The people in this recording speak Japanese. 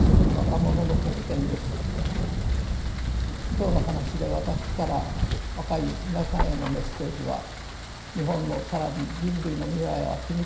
今日の話で私から若い皆さんへのメッセージは日本の更に人類の未来は君たちの手にあること。